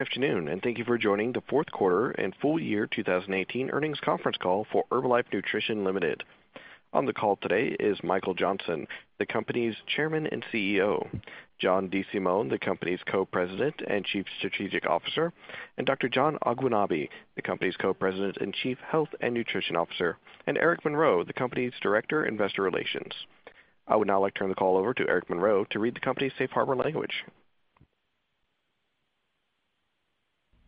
Good afternoon, thank you for joining the fourth quarter and full year 2018 earnings conference call for Herbalife Nutrition Ltd. On the call today is Michael Johnson, the company's Chairman and CEO, John DeSimone, the company's Co-President and Chief Strategic Officer, Dr. John Agwunobi, the company's Co-President and Chief Health and Nutrition Officer, and Eric Monroe, the company's Director, Investor Relations. I would now like to turn the call over to Eric Monroe to read the company's safe harbor language.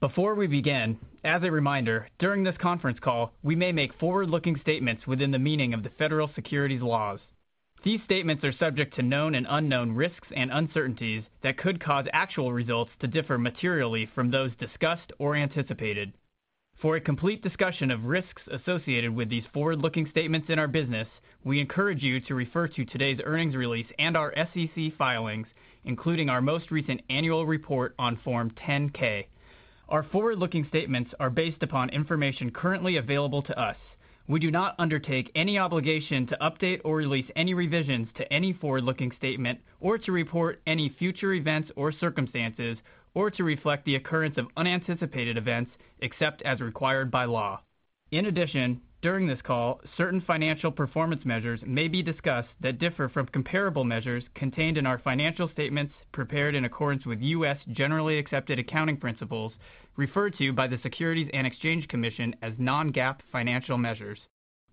Before we begin, as a reminder, during this conference call, we may make forward-looking statements within the meaning of the federal securities laws. These statements are subject to known and unknown risks and uncertainties that could cause actual results to differ materially from those discussed or anticipated. For a complete discussion of risks associated with these forward-looking statements in our business, we encourage you to refer to today's earnings release and our SEC filings, including our most recent annual report on Form 10-K. Our forward-looking statements are based upon information currently available to us. We do not undertake any obligation to update or release any revisions to any forward-looking statement or to report any future events or circumstances, or to reflect the occurrence of unanticipated events, except as required by law. In addition, during this call, certain financial performance measures may be discussed that differ from comparable measures contained in our financial statements prepared in accordance with U.S. generally accepted accounting principles, referred to by the Securities and Exchange Commission as non-GAAP financial measures.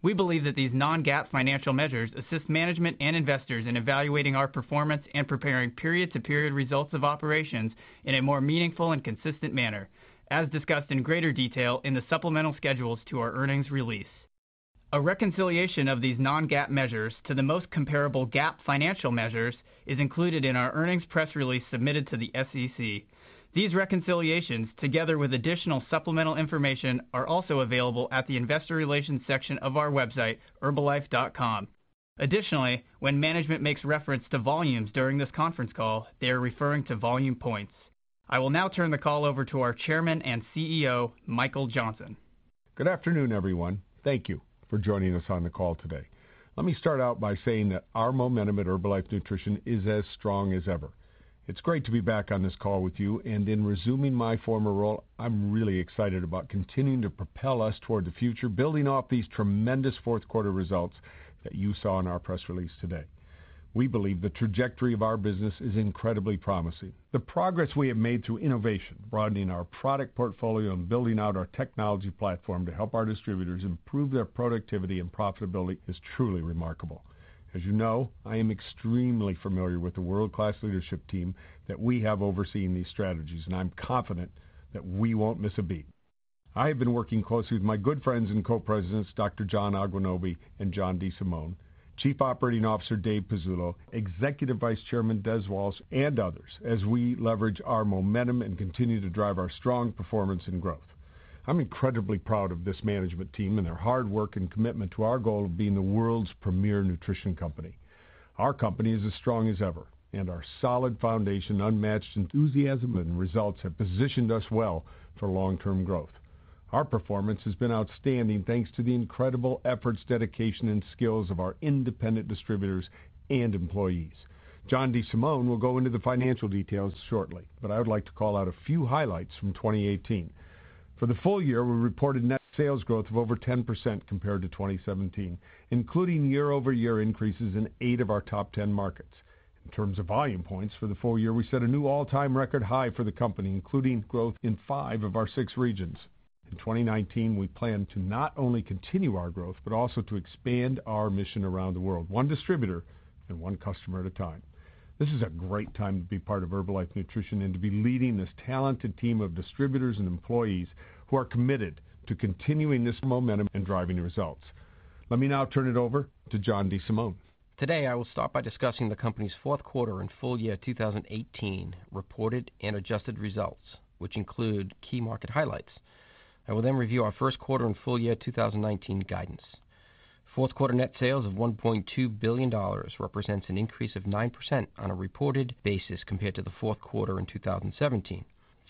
We believe that these non-GAAP financial measures assist management and investors in evaluating our performance and preparing period-to-period results of operations in a more meaningful and consistent manner, as discussed in greater detail in the supplemental schedules to our earnings release. A reconciliation of these non-GAAP measures to the most comparable GAAP financial measures is included in our earnings press release submitted to the SEC. These reconciliations, together with additional supplemental information, are also available at the Investor Relations section of our website, herbalife.com. Additionally, when management makes reference to volumes during this conference call, they are referring to Volume Points. I will now turn the call over to our Chairman and CEO, Michael Johnson. Good afternoon, everyone. Thank you for joining us on the call today. Let me start out by saying that our momentum at Herbalife Nutrition is as strong as ever. It is great to be back on this call with you, and in resuming my former role, I am really excited about continuing to propel us toward the future, building off these tremendous fourth quarter results that you saw in our press release today. We believe the trajectory of our business is incredibly promising. The progress we have made through innovation, broadening our product portfolio, and building out our technology platform to help our distributors improve their productivity and profitability is truly remarkable. As you know, I am extremely familiar with the world-class leadership team that we have overseeing these strategies, and I am confident that we will not miss a beat. I have been working closely with my good friends and Co-Presidents, Dr. John Agwunobi and John DeSimone, Chief Operating Officer David Pezzullo, Executive Vice Chairman Des Walsh, and others, as we leverage our momentum and continue to drive our strong performance and growth. I am incredibly proud of this management team and their hard work and commitment to our goal of being the world's premier nutrition company. Our company is as strong as ever, and our solid foundation, unmatched enthusiasm, and results have positioned us well for long-term growth. Our performance has been outstanding thanks to the incredible efforts, dedication, and skills of our independent distributors and employees. John DeSimone will go into the financial details shortly, but I would like to call out a few highlights from 2018. For the full year, we reported net sales growth of over 10% compared to 2017, including year-over-year increases in eight of our top 10 markets. In terms of Volume Points for the full year, we set a new all-time record high for the company, including growth in five of our six regions. In 2019, we plan to not only continue our growth, but also to expand our mission around the world, one distributor and one customer at a time. This is a great time to be part of Herbalife Nutrition and to be leading this talented team of distributors and employees who are committed to continuing this momentum and driving results. Let me now turn it over to John DeSimone. Today, I will start by discussing the company's fourth quarter and full year 2018 reported and adjusted results, which include key market highlights. I will then review our first quarter and full year 2019 guidance. Fourth quarter net sales of $1.2 billion represents an increase of 9% on a reported basis compared to the fourth quarter in 2017.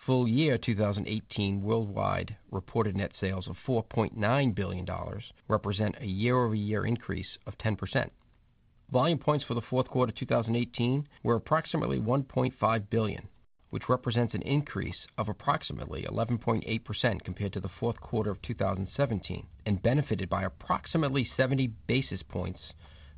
Full year 2018 worldwide reported net sales of $4.9 billion represent a year-over-year increase of 10%. Volume Points for the fourth quarter 2018 were approximately 1.5 billion, which represents an increase of approximately 11.8% compared to the fourth quarter of 2017, and benefited by approximately 70 basis points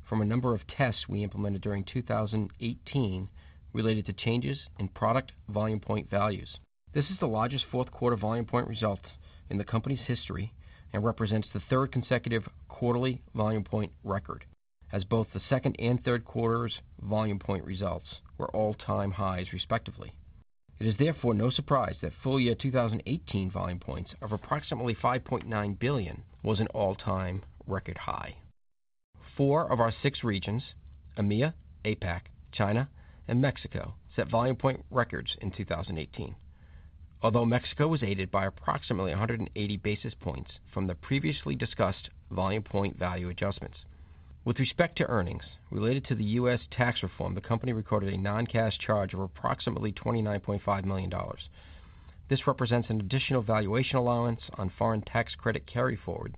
from a number of tests we implemented during 2018 related to changes in product Volume Point values. This is the largest fourth quarter Volume Point result in the company's history and represents the third consecutive quarterly Volume Point record, as both the second and third quarters' Volume Point results were all-time highs respectively. It is therefore no surprise that full year 2018 Volume Points of approximately 5.9 billion was an all-time record high. Four of our six regions, EMEA, APAC, China, and Mexico, set Volume Point records in 2018. Although Mexico was aided by approximately 180 basis points from the previously discussed Volume Point value adjustments. With respect to earnings related to the U.S. tax reform, the company recorded a non-cash charge of approximately $29.5 million. This represents an additional valuation allowance on foreign tax credit carryforward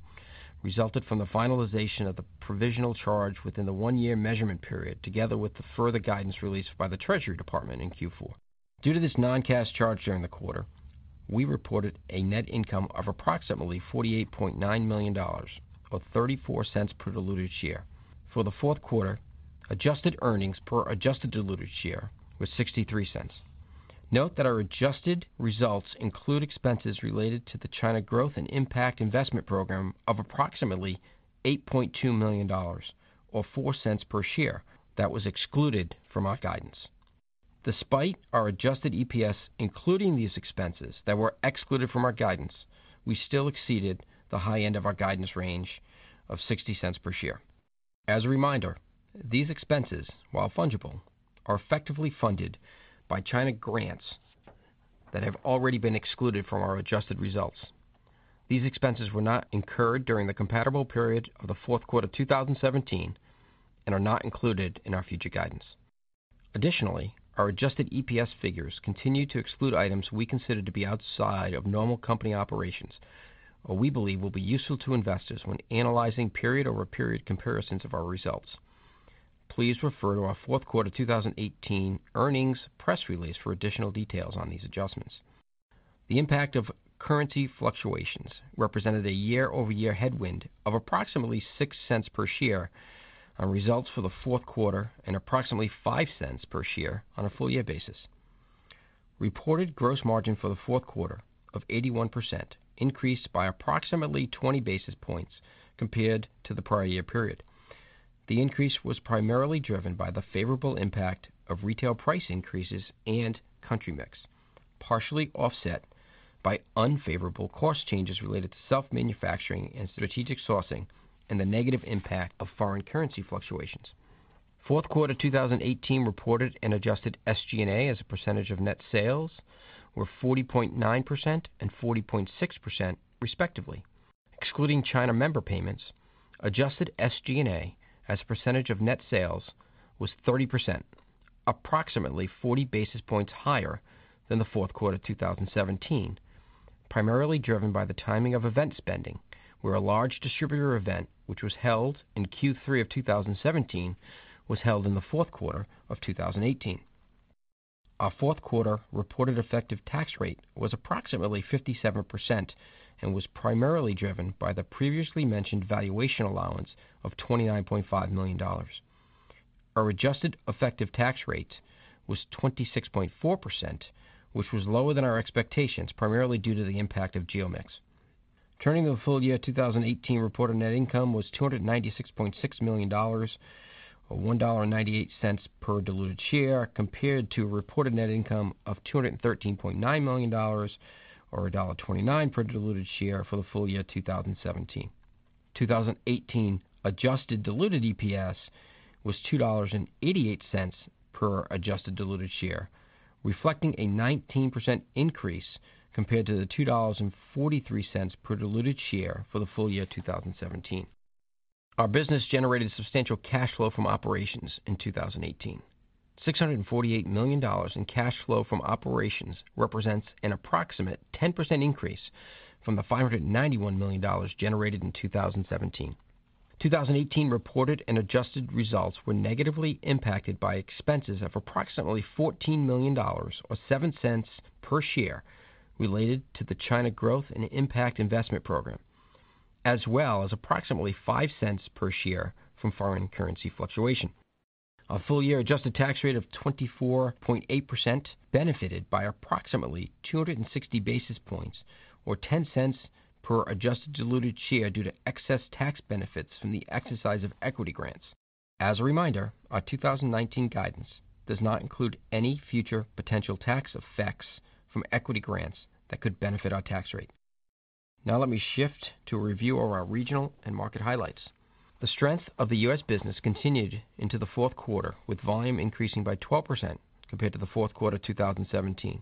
resulted from the finalization of the provisional charge within the one-year measurement period, together with the further guidance released by the Treasury Department in Q4. Due to this non-cash charge during the quarter We reported a net income of approximately $48.9 million, or $0.34 per diluted share. For the fourth quarter, adjusted earnings per adjusted diluted share was $0.63. Note that our adjusted results include expenses related to the China Growth and Impact Investment Fund of approximately $8.2 million, or $0.04 per share, that was excluded from our guidance. Despite our adjusted EPS including these expenses that were excluded from our guidance, we still exceeded the high end of our guidance range of $0.60 per share. As a reminder, these expenses, while fungible, are effectively funded by China grants that have already been excluded from our adjusted results. These expenses were not incurred during the compatible period of the fourth quarter of 2017 and are not included in our future guidance. Additionally, our adjusted EPS figures continue to exclude items we consider to be outside of normal company operations, what we believe will be useful to investors when analyzing period-over-period comparisons of our results. Please refer to our fourth quarter 2018 earnings press release for additional details on these adjustments. The impact of currency fluctuations represented a year-over-year headwind of approximately $0.06 per share on results for the fourth quarter and approximately $0.05 per share on a full year basis. Reported gross margin for the fourth quarter of 81% increased by approximately 20 basis points compared to the prior year period. The increase was primarily driven by the favorable impact of retail price increases and country mix, partially offset by unfavorable cost changes related to self-manufacturing and strategic sourcing and the negative impact of foreign currency fluctuations. Fourth quarter 2018 reported and adjusted SG&A as a percentage of net sales were 40.9% and 40.6%, respectively. Excluding China member payments, adjusted SG&A as a percentage of net sales was 30%, approximately 40 basis points higher than the fourth quarter 2017, primarily driven by the timing of event spending, where a large distributor event, which was held in Q3 of 2017, was held in the fourth quarter of 2018. Our fourth quarter reported effective tax rate was approximately 57% and was primarily driven by the previously mentioned valuation allowance of $29.5 million. Our adjusted effective tax rate was 26.4%, which was lower than our expectations, primarily due to the impact of geo mix. Turning to the full-year 2018 reported net income was $296.6 million, or $1.98 per diluted share, compared to a reported net income of $213.9 million, or $1.29 per diluted share for the full year 2017. 2018 adjusted diluted EPS was $2.88 per adjusted diluted share, reflecting a 19% increase compared to the $2.43 per diluted share for the full year 2017. Our business generated substantial cash flow from operations in 2018. $648 million in cash flow from operations represents an approximate 10% increase from the $591 million generated in 2017. 2018 reported and adjusted results were negatively impacted by expenses of approximately $14 million or $0.07 per share related to the China Growth and Impact Investment program, as well as approximately $0.05 per share from foreign currency fluctuation. Our full-year adjusted tax rate of 24.8% benefited by approximately 260 basis points or $0.10 per adjusted diluted share due to excess tax benefits from the exercise of equity grants. As a reminder, our 2019 guidance does not include any future potential tax effects from equity grants that could benefit our tax rate. Now let me shift to a review of our regional and market highlights. The strength of the U.S. business continued into the fourth quarter, with volume increasing by 12% compared to the fourth quarter 2017.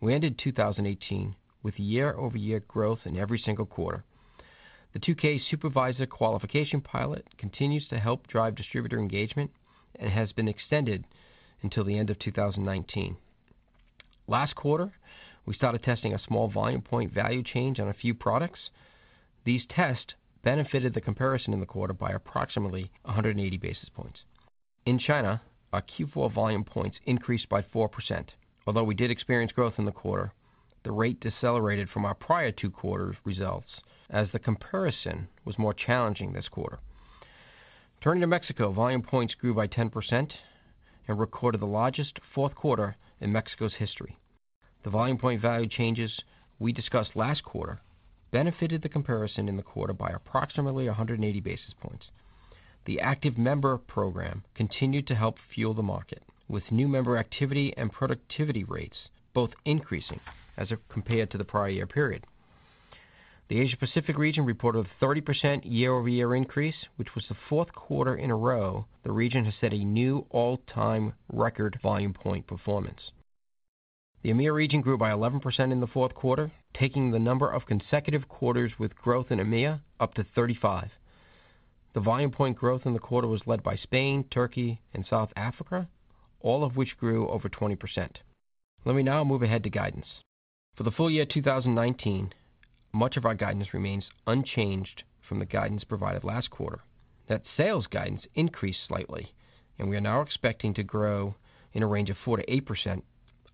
We ended 2018 with year-over-year growth in every single quarter. The 2K Supervisor Qualification pilot continues to help drive distributor engagement and has been extended until the end of 2019. Last quarter, we started testing a small volume point value change on a few products. These tests benefited the comparison in the quarter by approximately 180 basis points. In China, our Q4 volume points increased by 4%. Although we did experience growth in the quarter, the rate decelerated from our prior two quarter results as the comparison was more challenging this quarter. Turning to Mexico, volume points grew by 10% and recorded the largest fourth quarter in Mexico's history. The volume point value changes we discussed last quarter benefited the comparison in the quarter by approximately 180 basis points. The Active Member Program continued to help fuel the market, with new member activity and productivity rates both increasing as compared to the prior year period. The Asia-Pacific region reported a 30% year-over-year increase, which was the fourth quarter in a row the region has set a new all-time record volume point performance. The EMEA region grew by 11% in the fourth quarter, taking the number of consecutive quarters with growth in EMEA up to 35. The volume point growth in the quarter was led by Spain, Turkey and South Africa, all of which grew over 20%. Let me now move ahead to guidance. For the full year 2019. Much of our guidance remains unchanged from the guidance provided last quarter. That sales guidance increased slightly. We are now expecting to grow in a range of 4%-8%,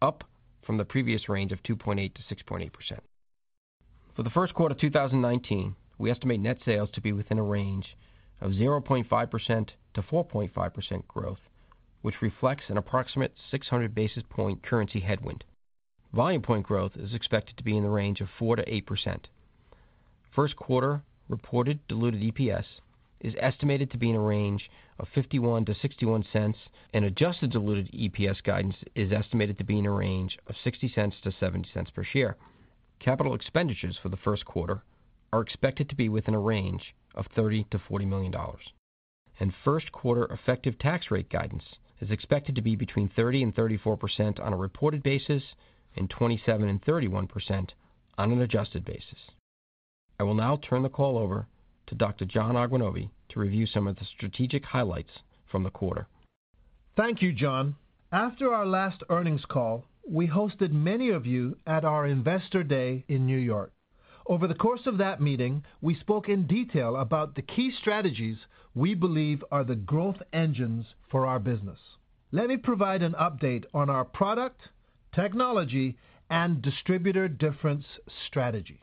up from the previous range of 2.8%-6.8%. For the first quarter of 2019, we estimate net sales to be within a range of 0.5%-4.5% growth, which reflects an approximate 600 basis point currency headwind. Volume Points growth is expected to be in the range of 4%-8%. First quarter reported diluted EPS is estimated to be in a range of $0.51-$0.61, and adjusted diluted EPS guidance is estimated to be in a range of $0.60-$0.70 per share. Capital expenditures for the first quarter are expected to be within a range of $30 million-$40 million. First quarter effective tax rate guidance is expected to be between 30% and 34% on a reported basis, and 27% and 31% on an adjusted basis. I will now turn the call over to Dr. John Agwunobi to review some of the strategic highlights from the quarter. Thank you, John. After our last earnings call, we hosted many of you at our Investor Day in New York. Over the course of that meeting, we spoke in detail about the key strategies we believe are the growth engines for our business. Let me provide an update on our product, technology, and distributor difference strategy.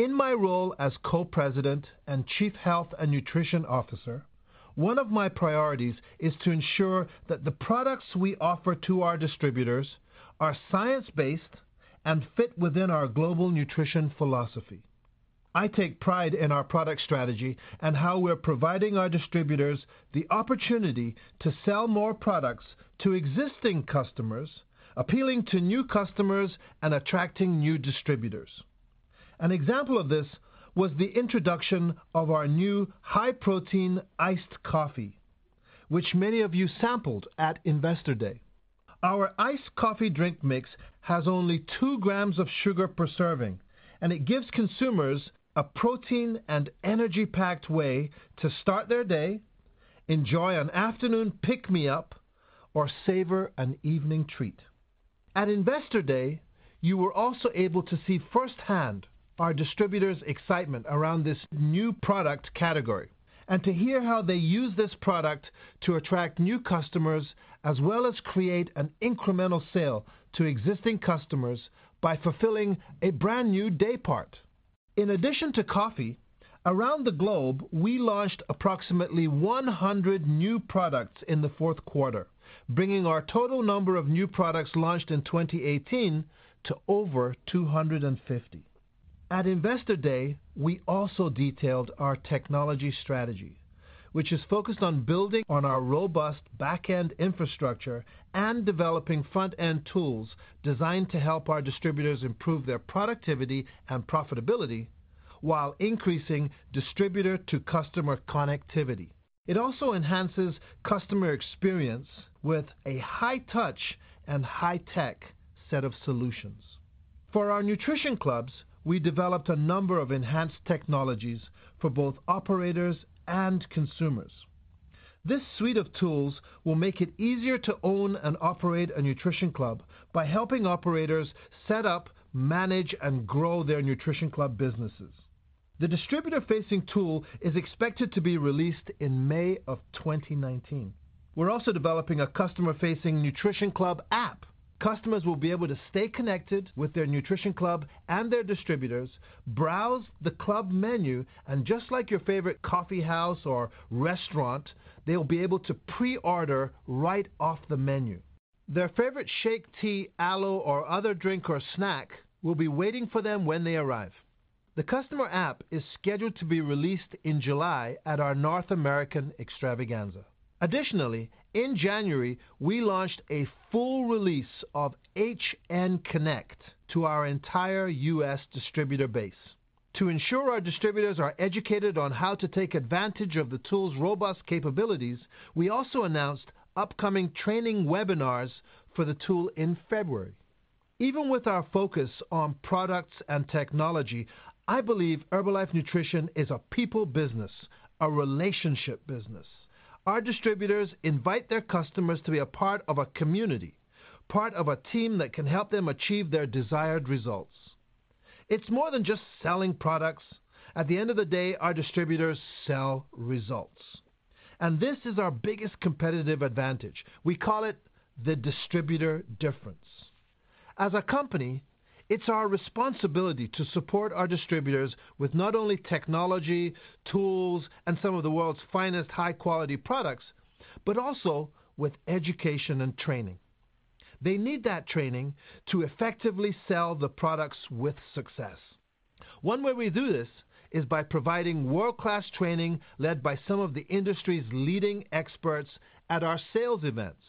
In my role as Co-President and Chief Health and Nutrition Officer, one of my priorities is to ensure that the products we offer to our distributors are science-based and fit within our global nutrition philosophy. I take pride in our product strategy and how we're providing our distributors the opportunity to sell more products to existing customers, appealing to new customers, and attracting new distributors. An example of this was the introduction of our new high-protein iced coffee, which many of you sampled at Investor Day. Our iced coffee drink mix has only 2 grams of sugar per serving. It gives consumers a protein and energy-packed way to start their day, enjoy an afternoon pick-me-up, or savor an evening treat. At Investor Day, you were also able to see firsthand our distributors' excitement around this new product category and to hear how they use this product to attract new customers, as well as create an incremental sale to existing customers by fulfilling a brand-new day part. In addition to coffee, around the globe, we launched approximately 100 new products in the fourth quarter, bringing our total number of new products launched in 2018 to over 250. At Investor Day, we also detailed our technology strategy, which is focused on building on our robust backend infrastructure and developing front-end tools designed to help our distributors improve their productivity and profitability while increasing distributor-to-customer connectivity. It also enhances customer experience with a high-touch and high-tech set of solutions. For our Nutrition Clubs, we developed a number of enhanced technologies for both operators and consumers. This suite of tools will make it easier to own and operate a Nutrition Club by helping operators set up, manage, and grow their Nutrition Club businesses. The distributor-facing tool is expected to be released in May of 2019. We're also developing a customer-facing Nutrition Club app. Customers will be able to stay connected with their Nutrition Club and their distributors, browse the club menu, and just like your favorite coffee house or restaurant, they'll be able to pre-order right off the menu. Their favorite shake, tea, aloe, or other drink or snack will be waiting for them when they arrive. The customer app is scheduled to be released in July at our North American Extravaganza. In January, we launched a full release of HN Connect to our entire U.S. distributor base. To ensure our distributors are educated on how to take advantage of the tool's robust capabilities, we also announced upcoming training webinars for the tool in February. Even with our focus on products and technology, I believe Herbalife Nutrition is a people business, a relationship business. Our distributors invite their customers to be a part of a community, part of a team that can help them achieve their desired results. It's more than just selling products. At the end of the day, our distributors sell results, and this is our biggest competitive advantage. We call it the distributor difference. As a company, it's our responsibility to support our distributors with not only technology, tools, and some of the world's finest high-quality products, but also with education and training. They need that training to effectively sell the products with success. One way we do this is by providing world-class training led by some of the industry's leading experts at our sales events.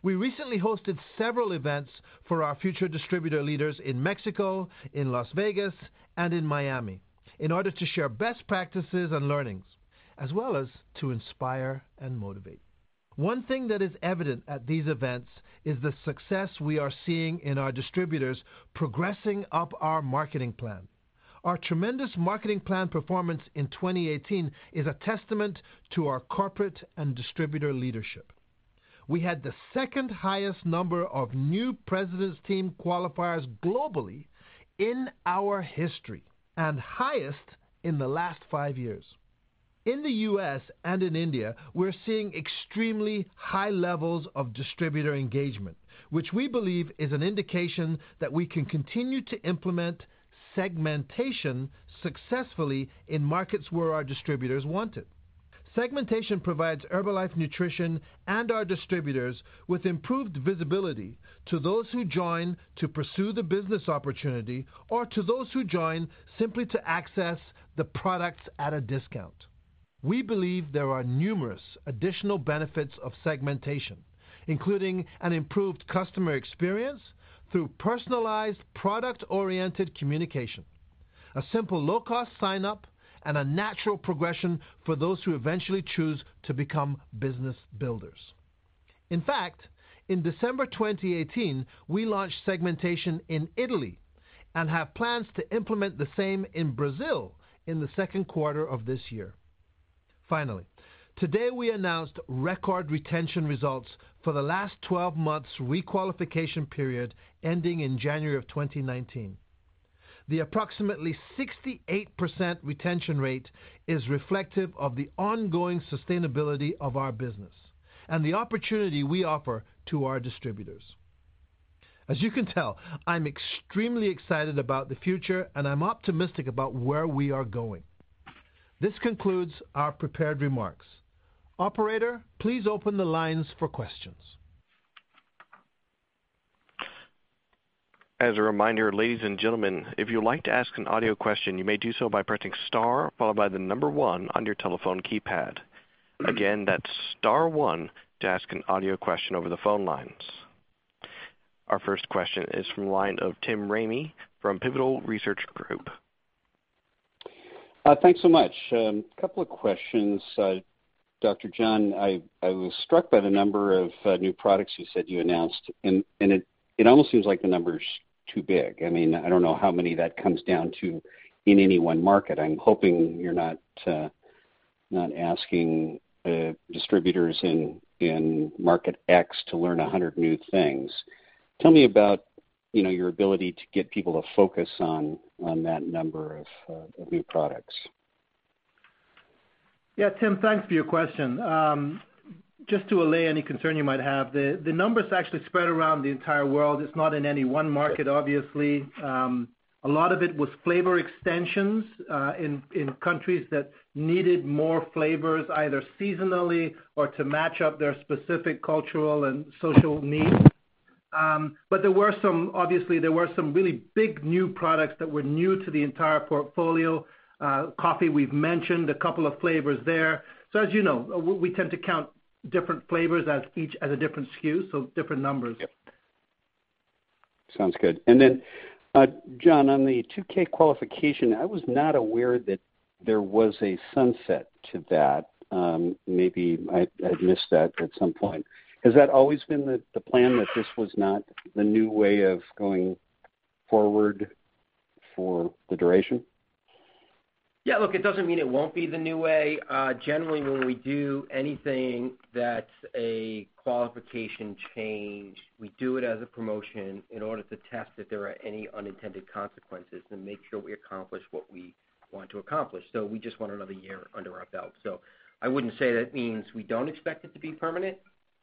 We recently hosted several events for our future distributor leaders in Mexico, in Las Vegas, and in Miami in order to share best practices and learnings, as well as to inspire and motivate. One thing that is evident at these events is the success we are seeing in our distributors progressing up our marketing plan. Our tremendous marketing plan performance in 2018 is a testament to our corporate and distributor leadership. We had the second highest number of new President's Team qualifiers globally in our history, and highest in the last five years. In the U.S. and in India, we're seeing extremely high levels of distributor engagement, which we believe is an indication that we can continue to implement segmentation successfully in markets where our distributors want it. Segmentation provides Herbalife Nutrition and our distributors with improved visibility to those who join to pursue the business opportunity, or to those who join simply to access the products at a discount. We believe there are numerous additional benefits of segmentation, including an improved customer experience through personalized product-oriented communication, a simple low-cost sign-up, and a natural progression for those who eventually choose to become business builders. In December 2018, we launched segmentation in Italy and have plans to implement the same in Brazil in the second quarter of this year. Today we announced record retention results for the last 12 months re-qualification period ending in January of 2019. The approximately 68% retention rate is reflective of the ongoing sustainability of our business and the opportunity we offer to our distributors. As you can tell, I'm extremely excited about the future, and I'm optimistic about where we are going. This concludes our prepared remarks. Operator, please open the lines for questions. As a reminder, ladies and gentlemen, if you'd like to ask an audio question, you may do so by pressing star followed by the number one on your telephone keypad. Again, that's star one to ask an audio question over the phone lines. Our first question is from the line of Tim Ramey from Pivotal Research Group. Thanks so much. Couple of questions. Dr. John, I was struck by the number of new products you said you announced. It almost seems like the number's too big. I don't know how many that comes down to in any one market. I'm hoping you're not asking distributors in market X to learn 100 new things. Tell me about your ability to get people to focus on that number of new products. Yeah, Tim, thanks for your question. Just to allay any concern you might have, the number's actually spread around the entire world. It's not in any one market, obviously. A lot of it was flavor extensions in countries that needed more flavors, either seasonally or to match up their specific cultural and social needs. Obviously, there were some really big new products that were new to the entire portfolio. Coffee, we've mentioned, a couple of flavors there. As you know, we tend to count different flavors as each as a different SKU, so different numbers. Yep. Sounds good. John, on the 2K qualification, I was not aware that there was a sunset to that. Maybe I missed that at some point. Has that always been the plan that this was not the new way of going forward for the duration? Look, it doesn't mean it won't be the new way. Generally when we do anything that's a qualification change, we do it as a promotion in order to test if there are any unintended consequences and make sure we accomplish what we want to accomplish. We just want another year under our belt. I wouldn't say that means we don't expect it to be permanent,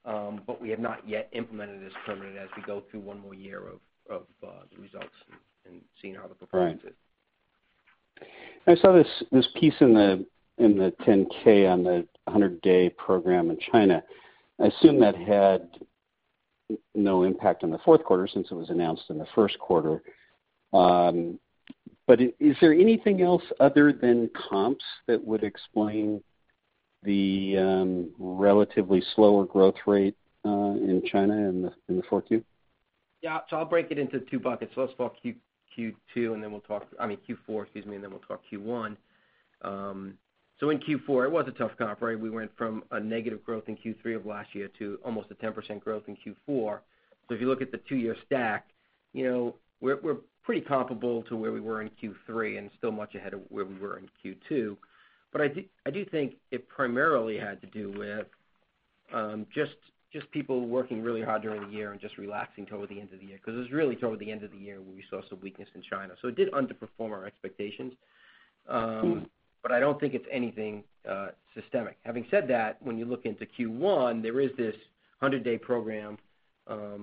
but we have not yet implemented it as permanent as we go through one more year of the results and seeing how it performs. Right. I saw this piece in the 10-K on the 100-day review in China. I assume that had no impact on the fourth quarter since it was announced in the first quarter. Is there anything else other than comps that would explain the relatively slower growth rate in China in the four Q? I'll break it into two buckets. Let's talk Q4, and then we'll talk Q1. In Q4, it was a tough comp, right? We went from a negative growth in Q3 of last year to almost a 10% growth in Q4. If you look at the two-year stack, we're pretty comparable to where we were in Q3, and still much ahead of where we were in Q2. I do think it primarily had to do with just people working really hard during the year and just relaxing toward the end of the year, because it was really toward the end of the year where we saw some weakness in China. It did underperform our expectations, but I don't think it's anything systemic. Having said that, when you look into Q1, there is this 100-day review.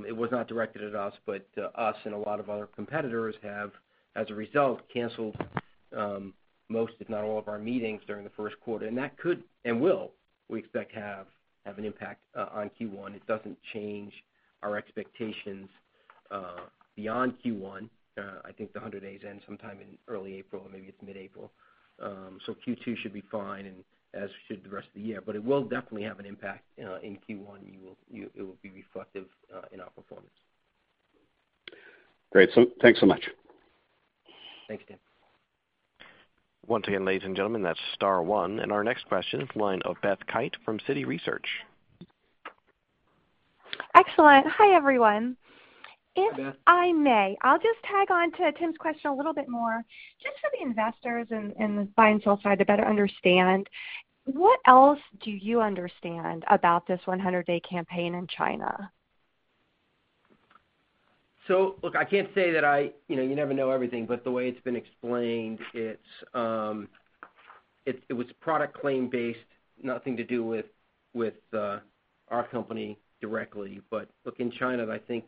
It was not directed at us and a lot of other competitors have, as a result, canceled most, if not all of our meetings during the first quarter, and that could and will, we expect, have an impact on Q1. It doesn't change our expectations beyond Q1. I think the 100 days end sometime in early April, or maybe it's mid-April. Q2 should be fine and as should the rest of the year. It will definitely have an impact in Q1. It will be reflective in our performance. Great. Thanks so much. Thanks, Tim. Once again, ladies and gentlemen, that's star 1, our next question is from the line of Beth Kite from Citi Research. Excellent. Hi, everyone. Hi, Beth. If I may, I'll just tag on to Tim's question a little bit more. Just for the investors and the buy and sell side to better understand, what else do you understand about this 100-day campaign in China? Look, I can't say that You never know everything, the way it's been explained, it was product claim-based, nothing to do with our company directly. Look, in China, I think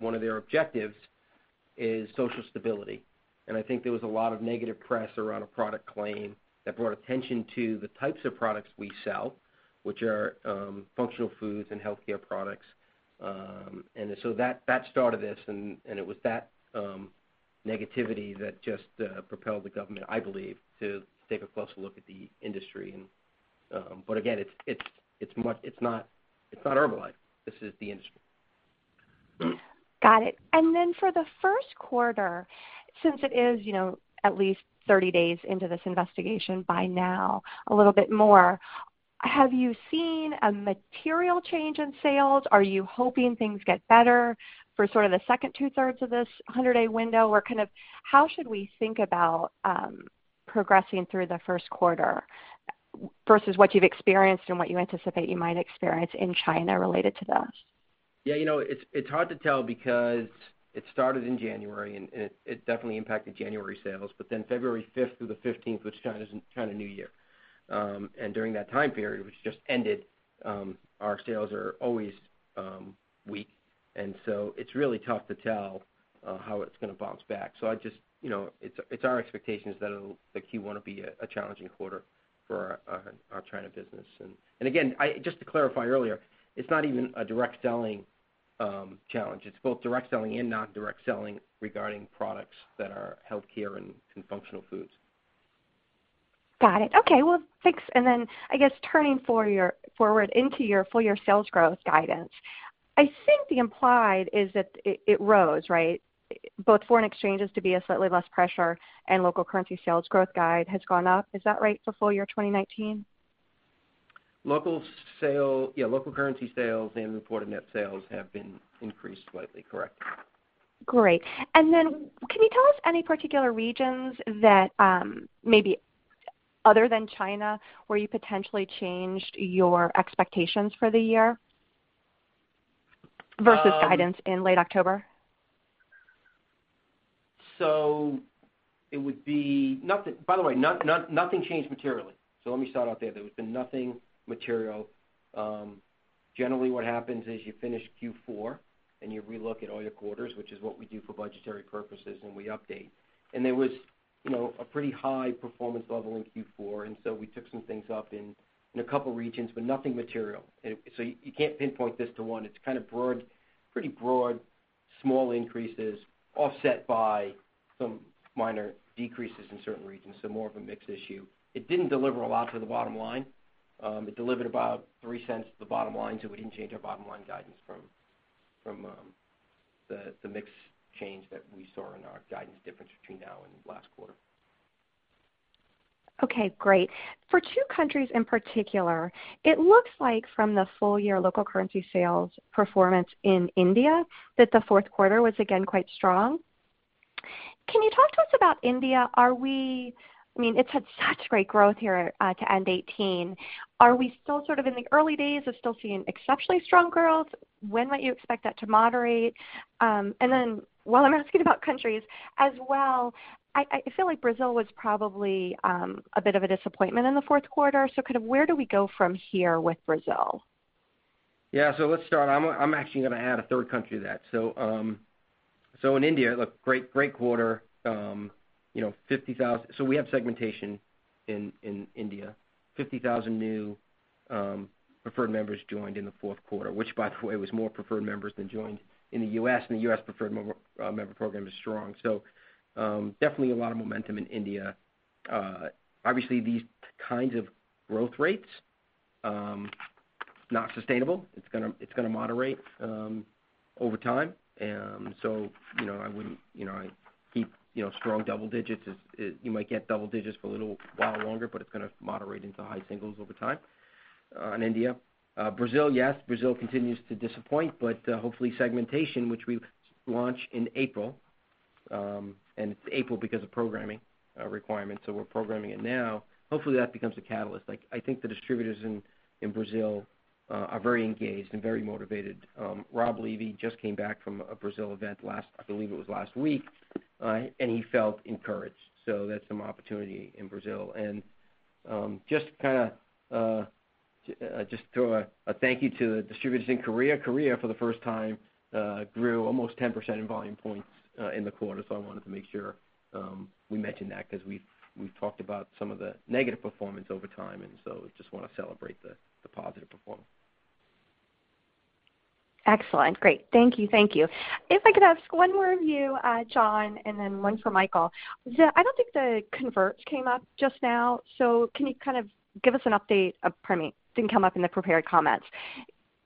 one of their objectives is social stability, I think there was a lot of negative press around a product claim that brought attention to the types of products we sell, which are functional foods and healthcare products. That started this, it was that negativity that just propelled the government, I believe, to take a closer look at the industry. Again, it's not Herbalife. This is the industry. Got it. For the first quarter, since it is at least 30 days into this investigation by now, a little bit more, have you seen a material change in sales? Are you hoping things get better for sort of the second two-thirds of this 100-day window? How should we think about progressing through the first quarter versus what you've experienced and what you anticipate you might experience in China related to this? Yeah. It's hard to tell because it started in January, it definitely impacted January sales. February 5th through the 15th was China's New Year. During that time period, which just ended, our sales are always weak, it's really tough to tell how it's going to bounce back. It's our expectation is that Q1 will be a challenging quarter for our China business. Again, just to clarify earlier, it's not even a direct selling challenge. It's both direct selling and non-direct selling regarding products that are healthcare and functional foods. Got it. Okay. Well, thanks. I guess turning forward into your full-year sales growth guidance, I think the implied is that it rose, right? Both foreign exchanges to be a slightly less pressure, local currency sales growth guide has gone up. Is that right for full year 2019? Yeah, local currency sales reported net sales have been increased slightly. Correct. Great. Can you tell us any particular regions that maybe other than China where you potentially changed your expectations for the year versus guidance in late October? By the way, nothing changed materially. Let me start out there. There has been nothing material. Generally, what happens is you finish Q4, you re-look at all your quarters, which is what we do for budgetary purposes, we update. There was a pretty high performance level in Q4, we took some things up in a couple of regions, nothing material. You can't pinpoint this to one. It's kind of pretty broad, small increases offset by some minor decreases in certain regions. More of a mix issue. It didn't deliver a lot to the bottom line. It delivered about $0.03 to the bottom line, we didn't change our bottom-line guidance from the mix change that we saw in our guidance difference between now and last quarter. Okay, great. For two countries in particular, it looks like from the full-year local currency sales performance in India that the fourth quarter was again quite strong. Can you talk to us about India? It's had such great growth here to end 2018. Are we still sort of in the early days of still seeing exceptionally strong growth? When might you expect that to moderate? While I'm asking about countries as well, I feel like Brazil was probably a bit of a disappointment in the fourth quarter. Kind of where do we go from here with Brazil? Yeah. Let's start. I'm actually going to add a third country to that. In India, look, great quarter. We have segmentation in India. 50,000 new Preferred Members joined in the fourth quarter. Which, by the way, was more Preferred Members than joined in the U.S., the U.S. Preferred Member Program is strong. Definitely a lot of momentum in India. Obviously, these kinds of growth rates, not sustainable. It's going to moderate over time. I wouldn't keep strong double digits. You might get double digits for a little while longer, it's going to moderate into high singles over time on India. Brazil, yes. Brazil continues to disappoint, hopefully segmentation, which we launch in April, it's April because of programming requirements, we're programming it now. Hopefully, that becomes a catalyst. I think the distributors in Brazil are very engaged and very motivated. Rob Levy just came back from a Brazil event, I believe it was last week. He felt encouraged. That's some opportunity in Brazil. Just to throw a thank you to the distributors in Korea. Korea, for the first time, grew almost 10% in Volume Points in the quarter. I wanted to make sure we mentioned that because we've talked about some of the negative performance over time, just want to celebrate the positive performance. Excellent. Great. Thank you. If I could ask one more of you, John, then one for Michael. I don't think the converts came up just now. Pardon me. Didn't come up in the prepared comments.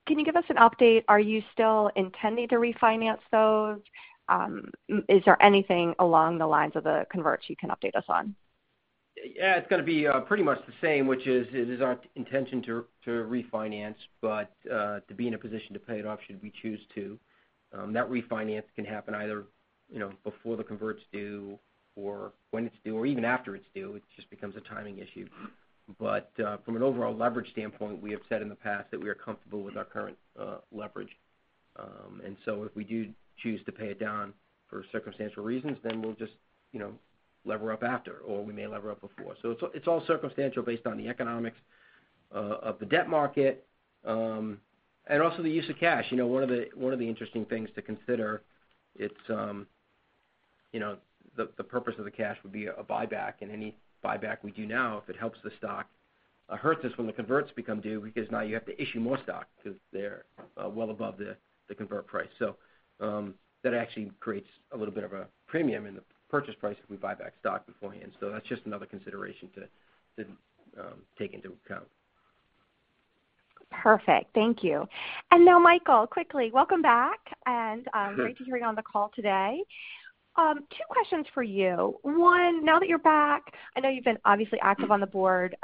Can you kind of give us an update? Are you still intending to refinance those? Is there anything along the lines of the converts you can update us on? It's going to be pretty much the same, which is, it is our intention to refinance, but to be in a position to pay it off should we choose to. That refinance can happen either before the convert's due or when it's due, or even after it's due. It just becomes a timing issue. From an overall leverage standpoint, we have said in the past that we are comfortable with our current leverage. If we do choose to pay it down for circumstantial reasons, we'll just lever up after, or we may lever up before. It's all circumstantial based on the economics of the debt market, and also the use of cash. One of the interesting things to consider, the purpose of the cash would be a buyback, and any buyback we do now, if it helps the stock, hurts us when the converts become due because now you have to issue more stock because they're well above the convert price. That actually creates a little bit of a premium in the purchase price if we buy back stock beforehand. That's just another consideration to take into account. Perfect. Thank you. Now, Michael, quickly, welcome back. Sure. Great to hear you on the call today. Two questions for you. One, now that you're back, I know you've been obviously active on the board,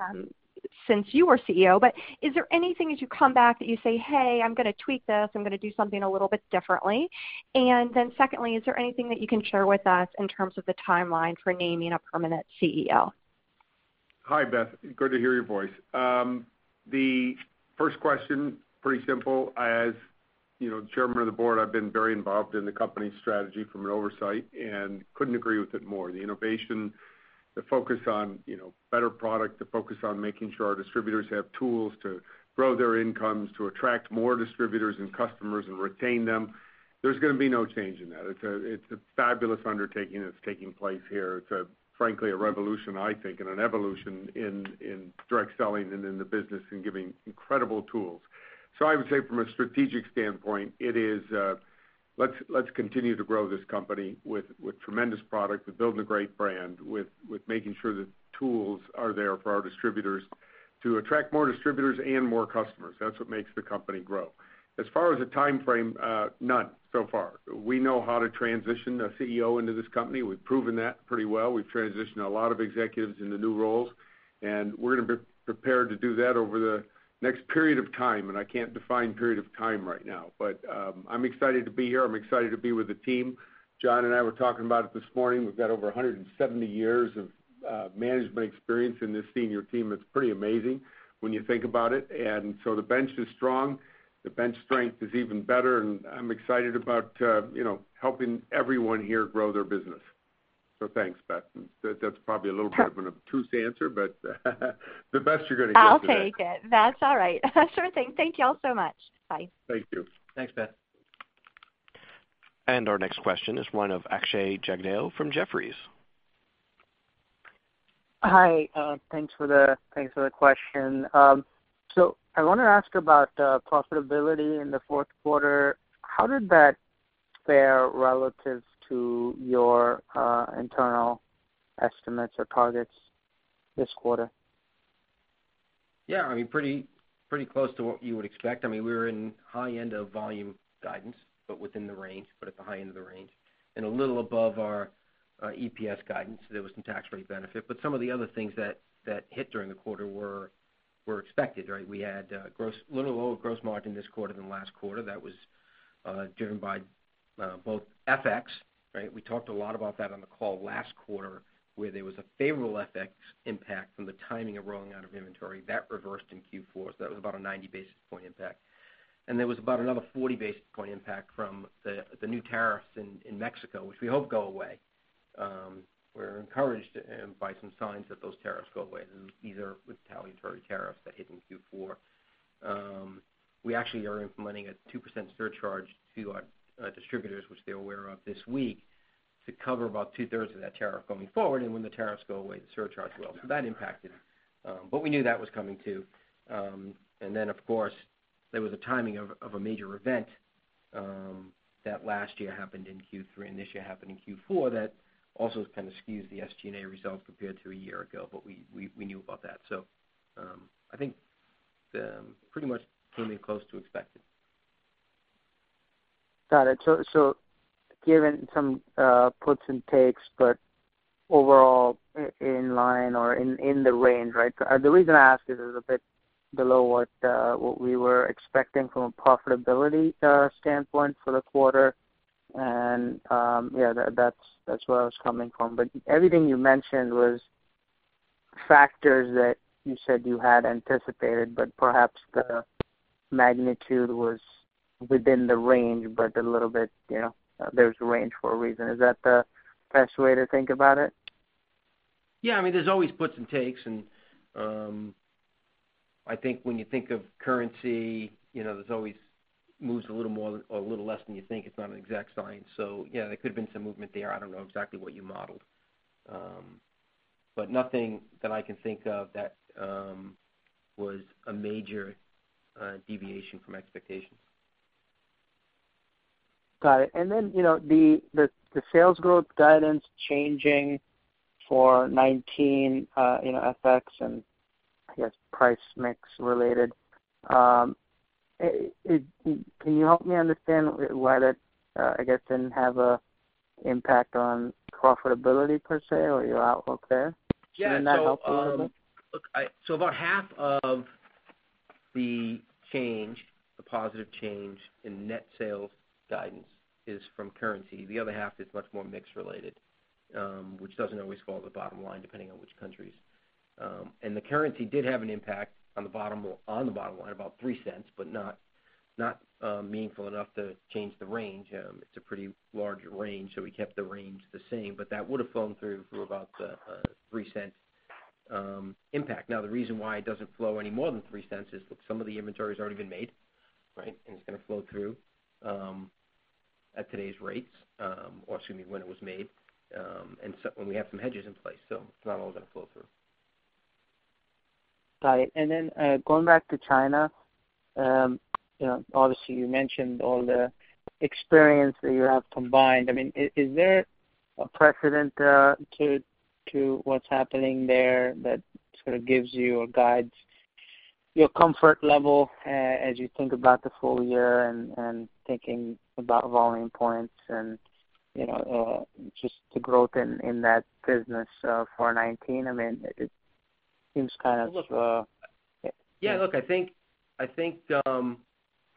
since you were CEO, is there anything as you come back that you say, "Hey, I'm going to tweak this, I'm going to do something a little bit differently"? Secondly, is there anything that you can share with us in terms of the timeline for naming a permanent CEO? Hi, Beth. Good to hear your voice. The first question, pretty simple. As Chairman of the Board, I've been very involved in the company's strategy from an oversight and couldn't agree with it more. The innovation, the focus on better product, the focus on making sure our distributors have tools to grow their incomes, to attract more distributors and customers and retain them, there's going to be no change in that. It's a fabulous undertaking that's taking place here. It's frankly a revolution, I think, and an evolution in direct selling and in the business in giving incredible tools. I would say from a strategic standpoint, it is let's continue to grow this company with tremendous product, with building a great brand, with making sure the tools are there for our distributors to attract more distributors and more customers. That's what makes the company grow. As far as the timeframe, none so far. We know how to transition a CEO into this company. We've proven that pretty well. We've transitioned a lot of executives into new roles, we're going to be prepared to do that over the next period of time, I can't define period of time right now. I'm excited to be here. I'm excited to be with the team. John and I were talking about it this morning. We've got over 170 years of management experience in this senior team. It's pretty amazing when you think about it. The bench is strong. The bench strength is even better, I'm excited about helping everyone here grow their business. Thanks, Beth. That's probably a little bit of an obtuse answer, the best you're going to get today. I'll take it. That's all right. Sure thing. Thank you all so much. Bye. Thank you. Thanks, Beth. Our next question is one of Akshay Jagdale from Jefferies. Hi, thanks for the question. I want to ask about profitability in the fourth quarter. How did that fare relative to your internal estimates or targets this quarter? Yeah. Pretty close to what you would expect. We were in high end of volume guidance, but within the range, but at the high end of the range, and a little above our EPS guidance. There was some tax rate benefit. Some of the other things that hit during the quarter were expected, right? We had a little lower gross margin this quarter than last quarter. That was driven by both FX, right? We talked a lot about that on the call last quarter, where there was a favorable FX impact from the timing of rolling out of inventory. That reversed in Q4. That was about a 90 basis point impact. There was about another 40 basis point impact from the new tariffs in Mexico, which we hope go away. We're encouraged by some signs that those tariffs go away. These are retaliatory tariffs that hit in Q4. We actually are implementing a 2% surcharge to our distributors, which they're aware of this week, to cover about two-thirds of that tariff going forward, and when the tariffs go away, the surcharge will. That impacted. We knew that was coming, too. Of course, there was a timing of a major event that last year happened in Q3 and this year happened in Q4 that also kind of skews the SG&A results compared to a year ago. We knew about that. I think pretty much came in close to expected. Got it. Given some puts and takes, but overall in line or in the range, right? The reason I ask is a bit below what we were expecting from a profitability standpoint for the quarter, and, yeah, that's where I was coming from. Everything you mentioned was factors that you said you had anticipated, but perhaps the magnitude was within the range, but a little bit, there's a range for a reason. Is that the best way to think about it? Yeah. There's always puts and takes. I think when you think of currency, there's always moves a little more or a little less than you think. It's not an exact science. Yeah, there could've been some movement there. I don't know exactly what you modeled. Nothing that I can think of that was a major deviation from expectations. Got it. Then, the sales growth guidance changing for 2019, FX and I guess price mix related. Can you help me understand why that, I guess, didn't have a impact on profitability per se or your outlook there? Yeah. Can you not help me a little bit? Look, about half of the change, the positive change in net sales guidance is from currency. The other half is much more mix related, which doesn't always fall to the bottom line, depending on which countries. The currency did have an impact on the bottom line, about $0.03, not meaningful enough to change the range. It's a pretty large range, we kept the range the same, that would've flown through for about a $0.03 impact. Now, the reason why it doesn't flow any more than $0.03 is, look, some of the inventory's already been made, right? It's going to flow through, at today's rates, or excuse me, when it was made, and we have some hedges in place, it's not all going to flow through. Got it. Going back to China, obviously you mentioned all the experience that you have combined. Is there a precedent to what's happening there that sort of gives you or guides your comfort level, as you think about the full year and thinking about Volume Points and just the growth in that business for 2019? Look, look, I think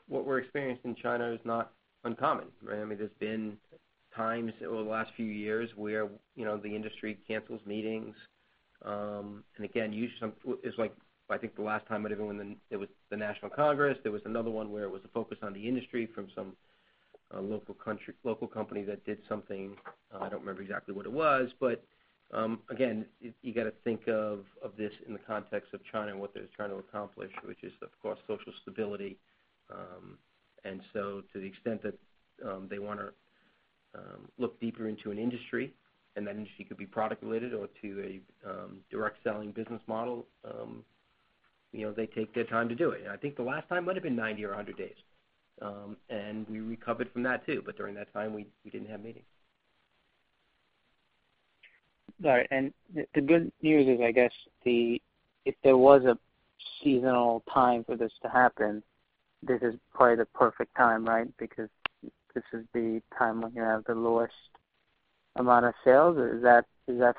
what we're experiencing in China is not uncommon, right? There's been times over the last few years where the industry cancels meetings. Again, it was like, I think the last time it might've been when it was the National Congress, there was another one where it was a focus on the industry from some local company that did something. I don't remember exactly what it was. Again, you got to think of this in the context of China and what they're trying to accomplish, which is, of course, social stability. To the extent that they want to look deeper into an industry, and that industry could be product related or to a direct selling business model, they take their time to do it. I think the last time might've been 90 or 100 days. We recovered from that too. During that time, we didn't have meetings. Got it. The good news is, I guess, if there was a seasonal time for this to happen, this is probably the perfect time, right? Because this is the time when you have the lowest amount of sales. Is that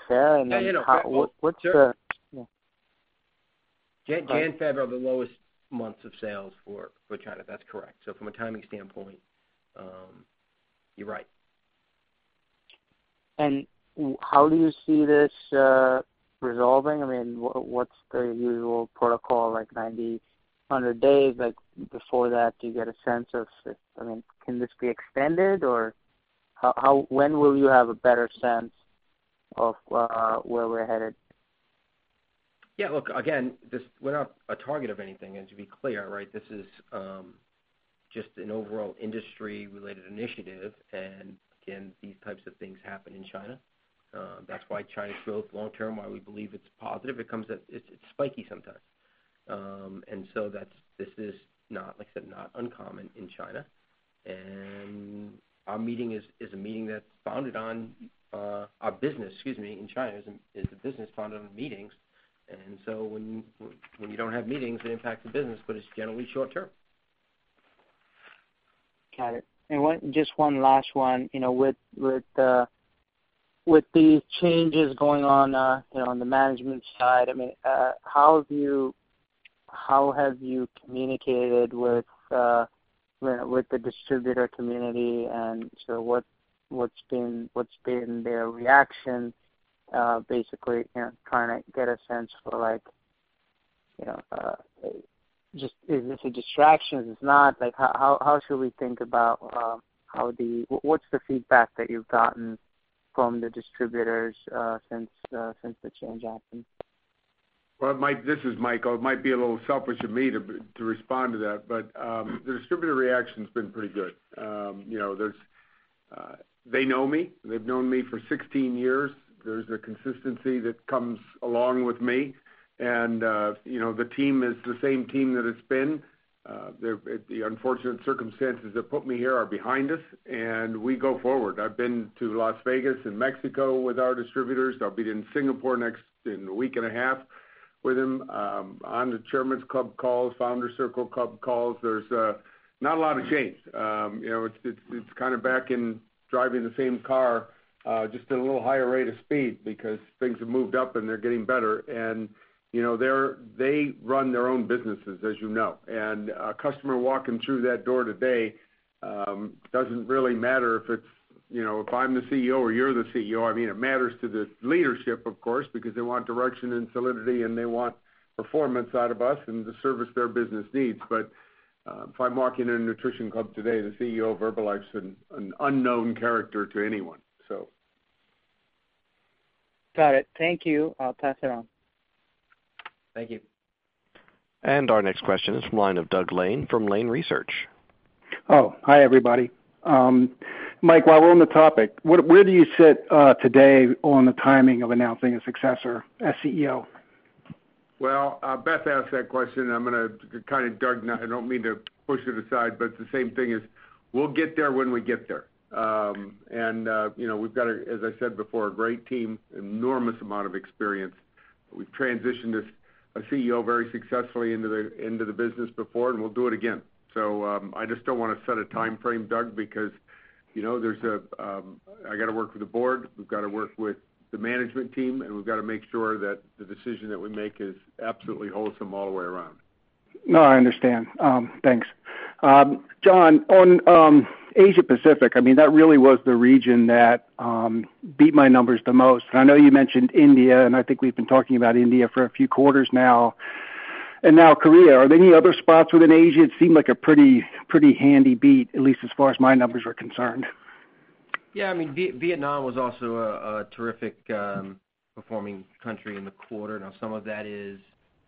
fair? Yeah, no. What's the Sure. Yeah. All right. Jan, Feb are the lowest months of sales for China. That's correct. From a timing standpoint, you're right. How do you see this resolving? What's the usual protocol, like 90, 100 days? Before that, do you get a sense of can this be extended, or when will you have a better sense of where we're headed? Again, we're not a target of anything, and to be clear, right? This is just an overall industry-related initiative, and again, these types of things happen in China. That's why China's growth long term, why we believe it's positive, it's spiky sometimes. This is not, like I said, not uncommon in China. Our meeting is a meeting that's founded on our business, excuse me, in China, is a business founded on meetings. When you don't have meetings, they impact the business, but it's generally short term. Got it. Just one last one. With the changes going on on the management side, how have you communicated with the distributor community, and what's been their reaction? Basically, trying to get a sense for like, just is this a distraction? If it's not, how should we think about what's the feedback that you've gotten from the distributors since the change happened? Well, Mike, this is Mike. It might be a little selfish of me to respond to that, but the distributor reaction's been pretty good. They know me. They've known me for 16 years. There's a consistency that comes along with me, and the team is the same team that it's been. The unfortunate circumstances that put me here are behind us, and we go forward. I've been to Las Vegas and Mexico with our distributors. I'll be in Singapore in a week and a half with them, on the Chairman's Club calls, Founder's Circle Club calls. There's not a lot of change. It's kind of back in driving the same car, just at a little higher rate of speed because things have moved up and they're getting better. They run their own businesses, as you know. A customer walking through that door today, doesn't really matter if I'm the CEO or you're the CEO. It matters to the leadership, of course, because they want direction and solidity, and they want performance out of us and to service their business needs. If I walk into a Nutrition Club today, the CEO of Herbalife's an unknown character to anyone, so Got it. Thank you. I'll pass it on. Thank you. Our next question is from the line of Doug Lane from Lane Research. Oh, hi, everybody. Mike, while we're on the topic, where do you sit today on the timing of announcing a successor as CEO? Well, Beth asked that question, I'm going to kind of dodge now. I don't mean to push it aside, the same thing is we'll get there when we get there. We've got, as I said before, a great team, enormous amount of experience. We've transitioned a CEO very successfully into the business before, and we'll do it again. I just don't want to set a timeframe, Doug, because I got to work with the board, we've got to work with the management team, and we've got to make sure that the decision that we make is absolutely wholesome all the way around. No, I understand. Thanks. John, on Asia Pacific, that really was the region that beat my numbers the most. I know you mentioned India, and I think we've been talking about India for a few quarters now. Now Korea. Are there any other spots within Asia? It seemed like a pretty handy beat, at least as far as my numbers were concerned. Yeah, Vietnam was also a terrific performing country in the quarter. Some of that is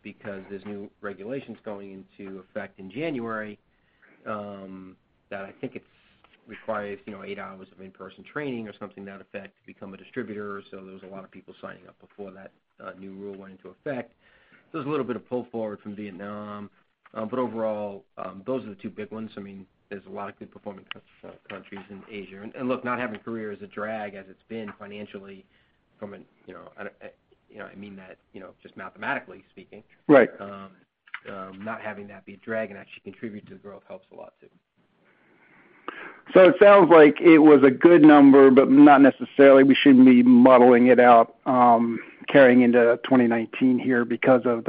because there's new regulations going into effect in January, that I think it requires eight hours of in-person training or something to that effect to become a distributor. There's a lot of people signing up before that new rule went into effect. There's a little bit of pull forward from Vietnam. Overall, those are the two big ones. There's a lot of good performing countries in Asia. Look, not having Korea as a drag as it's been financially, I mean that just mathematically speaking. Right. Not having that be a drag and actually contribute to the growth helps a lot too. It sounds like it was a good number, but not necessarily we shouldn't be modeling it out carrying into 2019 here because of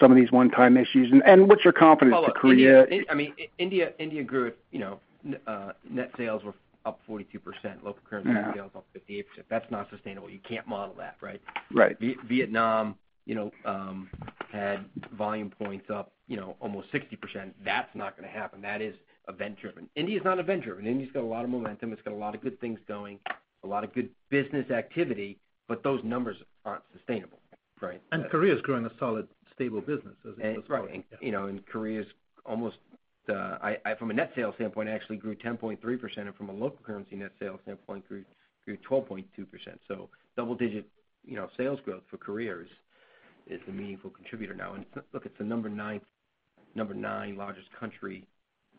some of these one-time issues. What's your confidence for Korea? India grew with net sales were up 42%, local currency sales up 58%. That's not sustainable. You can't model that, right? Right. Vietnam had Volume Points up almost 60%. That's not going to happen. That is event-driven. India's not event-driven. India's got a lot of momentum, it's got a lot of good things going, a lot of good business activity, but those numbers aren't sustainable. Right? Korea's growing a solid, stable business. Right. Korea's almost, from a net sales standpoint, actually grew 10.3%, and from a local currency net sales standpoint, grew 12.2%. Double-digit sales growth for Korea is a meaningful contributor now. Look, it's the number 9 largest country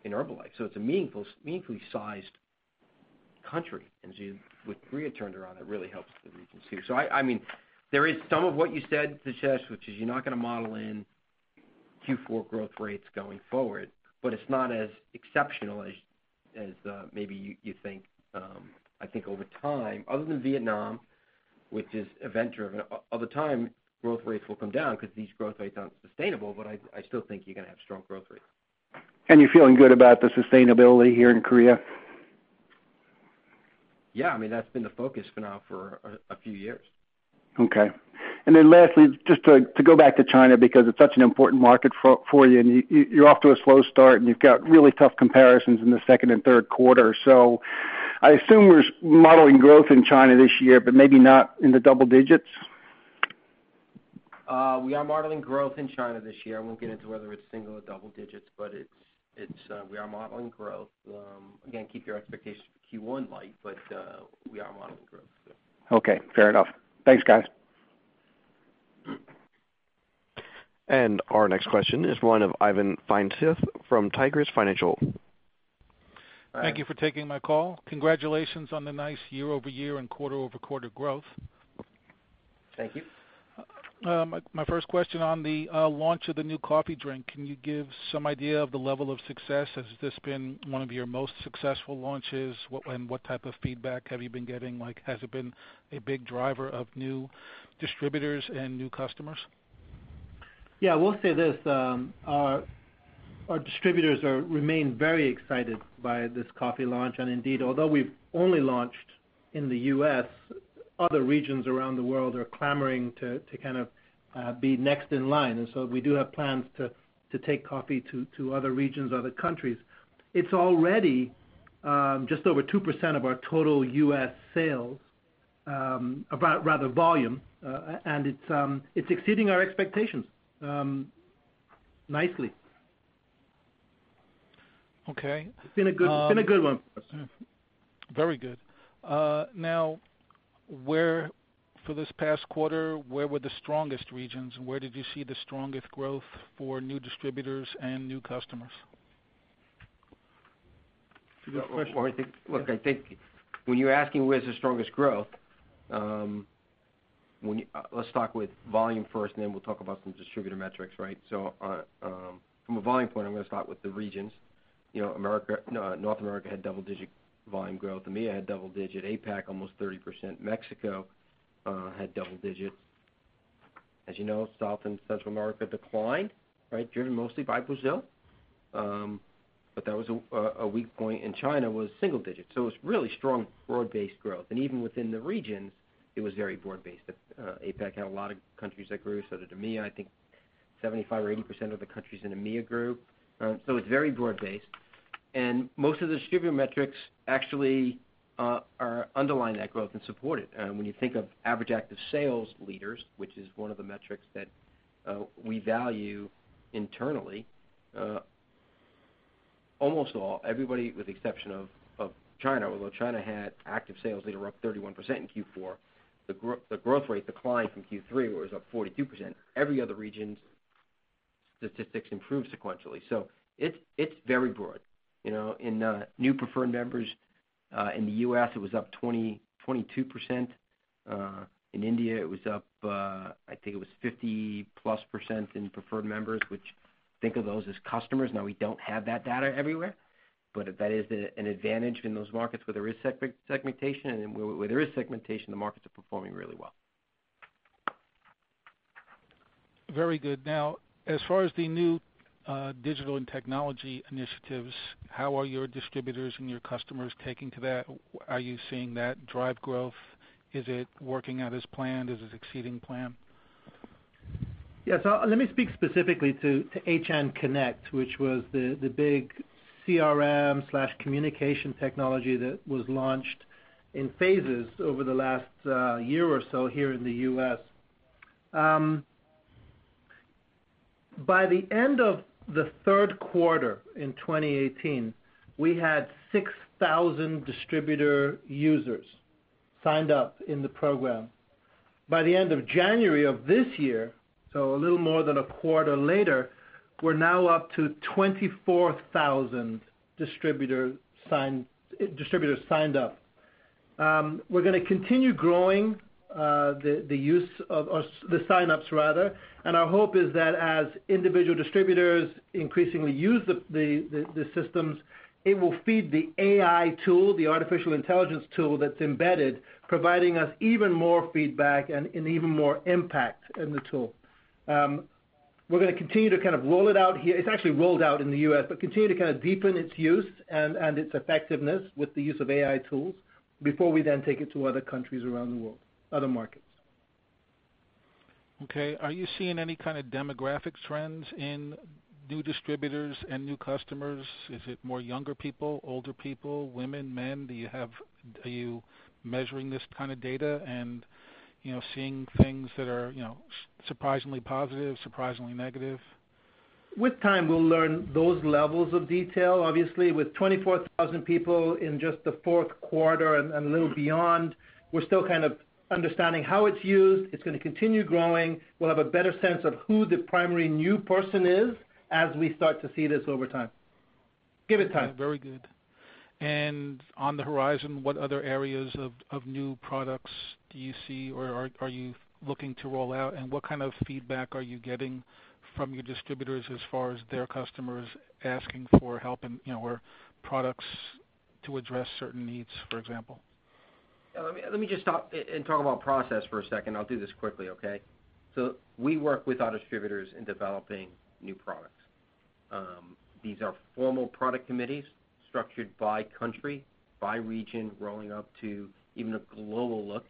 in Herbalife, so it's a meaningfully sized country. With Korea turned around, it really helps the regions too. There is some of what you said, which is you're not going to model in Q4 growth rates going forward, but it's not as exceptional as maybe you think. I think over time, other than Vietnam, which is event-driven, over time, growth rates will come down because these growth rates aren't sustainable, but I still think you're going to have strong growth rates. You're feeling good about the sustainability here in Korea? Yeah. That's been the focus now for a few years. Okay. Lastly, just to go back to China because it's such an important market for you're off to a slow start, and you've got really tough comparisons in the second and third quarter. I assume we're modeling growth in China this year, but maybe not in the double digits? We are modeling growth in China this year. I won't get into whether it's single or double digits, we are modeling growth. Again, keep your expectations for Q1 light, we are modeling growth. Okay, fair enough. Thanks, guys. Our next question is one of Ivan Feinseth from Tigress Financial. Thank you for taking my call. Congratulations on the nice year-over-year and quarter-over-quarter growth. Thank you. My first question on the launch of the new coffee drink. Can you give some idea of the level of success? Has this been one of your most successful launches? What type of feedback have you been getting? Has it been a big driver of new distributors and new customers? Yeah, we'll say this. Our distributors remain very excited by this coffee launch. Indeed, although we've only launched in the U.S., other regions around the world are clamoring to kind of be next in line. We do have plans to take coffee to other regions, other countries. It's already just over 2% of our total U.S. sales, rather volume, and it's exceeding our expectations nicely. Okay. It's been a good one. Very good. For this past quarter, where were the strongest regions? Where did you see the strongest growth for new distributors and new customers? Look, I think when you're asking where's the strongest growth, let's talk with volume first, then we'll talk about some distributor metrics, right? From a volume point, I'm going to start with the regions. North America had double-digit volume growth. EMEA had double digit. APAC, almost 30%. Mexico had double digits. As you know, South and Central America declined, driven mostly by Brazil. That was a weak point, China was single digits. It was really strong broad-based growth. Even within the regions, it was very broad-based. APAC had a lot of countries that grew. Did EMEA. I think 75% or 80% of the countries in EMEA grew. It's very broad-based. Most of the distributor metrics actually are underlying that growth and support it. When you think of Average Active Sales Leaders, which is one of the metrics that we value internally, almost all, everybody with the exception of China, although China had active sales leader up 31% in Q4, the growth rate declined from Q3, where it was up 42%. Every other region, statistics improve sequentially. It's very broad. In new Preferred Members in the U.S., it was up 22%. In India, it was up, I think it was 50-plus percent in Preferred Members, which think of those as customers. We don't have that data everywhere, but that is an advantage in those markets where there is segmentation. Where there is segmentation, the markets are performing really well. Very good. Now, as far as the new digital and technology initiatives, how are your distributors and your customers taking to that? Are you seeing that drive growth? Is it working out as planned? Is it exceeding plan? Yes. Let me speak specifically to HN Connect, which was the big CRM/communication technology that was launched in phases over the last year or so here in the U.S. By the end of the third quarter in 2018, we had 6,000 distributor users signed up in the program. By the end of January of this year, a little more than a quarter later, we're now up to 24,000 distributors signed up. We're going to continue growing the signups, and our hope is that as individual distributors increasingly use the systems, it will feed the AI tool, the artificial intelligence tool that's embedded, providing us even more feedback and an even more impact in the tool. We're going to continue to kind of roll it out here. It's actually rolled out in the U.S., continue to kind of deepen its use and its effectiveness with the use of AI tools before we then take it to other countries around the world, other markets. Okay. Are you seeing any kind of demographic trends in new distributors and new customers? Is it more younger people, older people, women, men? Are you measuring this kind of data and seeing things that are surprisingly positive, surprisingly negative? With time, we'll learn those levels of detail. Obviously, with 24,000 people in just the fourth quarter and a little beyond, we're still kind of understanding how it's used. It's going to continue growing. We'll have a better sense of who the primary new person is as we start to see this over time. Give it time. Very good. On the horizon, what other areas of new products do you see, or are you looking to roll out? What kind of feedback are you getting from your distributors as far as their customers asking for help or products to address certain needs, for example? Let me just stop and talk about process for a second. I'll do this quickly, okay? We work with our distributors in developing new products. These are formal product committees structured by country, by region, rolling up to even a global look.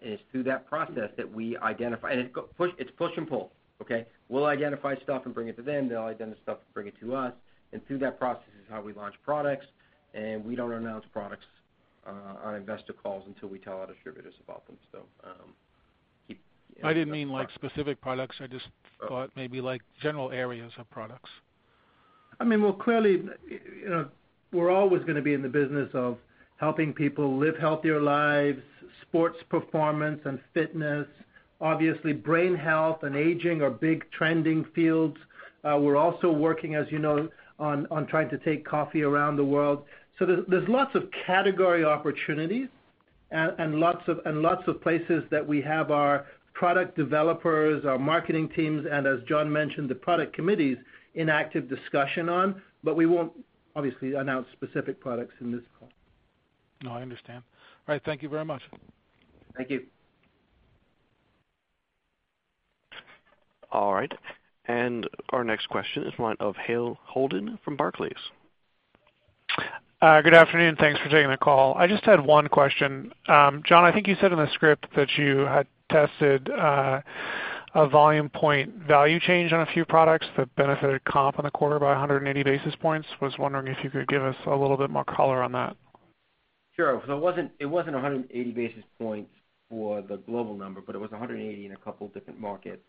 It's through that process that we identify. It's push and pull, okay? We'll identify stuff and bring it to them. They'll identify stuff and bring it to us. Through that process is how we launch products, and we don't announce products on investor calls until we tell our distributors about them. I didn't mean like specific products. I just thought maybe like general areas of products. Well, clearly, we're always going to be in the business of helping people live healthier lives, sports performance and fitness. Obviously, brain health and aging are big trending fields. We're also working, as you know, on trying to take coffee around the world. There's lots of category opportunities and lots of places that we have our product developers, our marketing teams, and as John mentioned, the product committees in active discussion on, but we won't obviously announce specific products in this call. No, I understand. All right. Thank you very much. Thank you. All right. Our next question is one of Hale Holden from Barclays. Good afternoon. Thanks for taking the call. I just had one question. John, I think you said in the script that you had tested a Volume Point value change on a few products that benefited comp in the quarter by 180 basis points. I was wondering if you could give us a little bit more color on that. Sure. It wasn't 180 basis points for the global number, it was 180 in a couple different markets.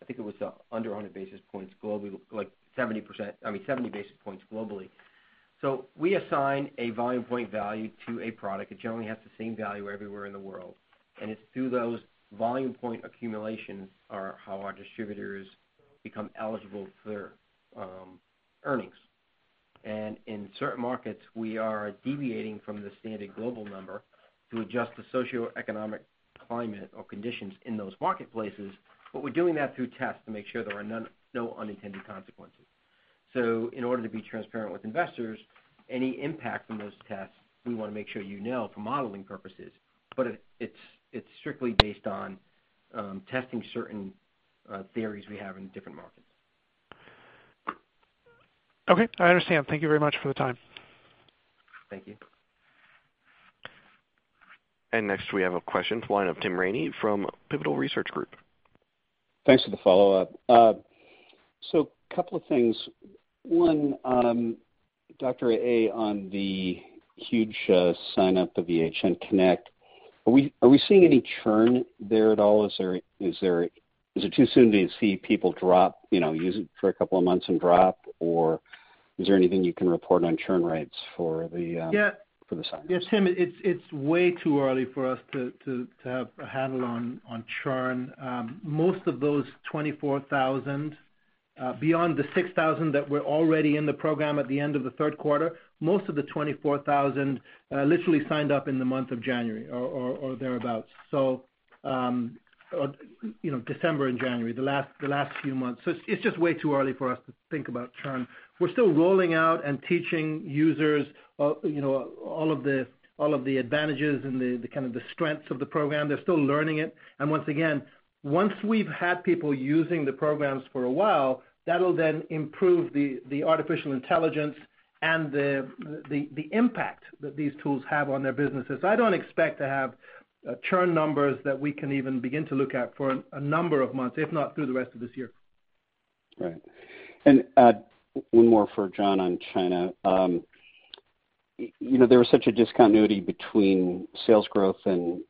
I think it was under 100 basis points globally, like 70 basis points globally. We assign a Volume Point value to a product. It generally has the same value everywhere in the world, it's through those Volume Point accumulations are how our distributors become eligible for earnings. In certain markets, we are deviating from the standard global number to adjust the socioeconomic climate or conditions in those marketplaces. We're doing that through tests to make sure there are no unintended consequences. In order to be transparent with investors, any impact from those tests, we want to make sure you know for modeling purposes. It's strictly based on testing certain theories we have in different markets. Okay, I understand. Thank you very much for the time. Thank you. Next we have a question to the line of Tim Ramey from Pivotal Research Group. Thanks for the follow-up. A couple of things. One, Dr. A, on the huge sign up of the HN Connect, are we seeing any churn there at all? Is it too soon to see people drop, use it for a couple of months and drop, orIs there anything you can report on churn rates for the- Yeah for the sign? Yeah, Tim, it's way too early for us to have a handle on churn. Most of those 24,000 beyond the 6,000 that were already in the program at the end of the third quarter, most of the 24,000 literally signed up in the month of January or thereabout. December and January, the last few months. It's just way too early for us to think about churn. We're still rolling out and teaching users all of the advantages and the strengths of the program. They're still learning it. Once again, once we've had people using the programs for a while, that'll then improve the artificial intelligence and the impact that these tools have on their businesses. I don't expect to have churn numbers that we can even begin to look at for a number of months, if not through the rest of this year. Right. One more for John on China. There was such a discontinuity between sales growth and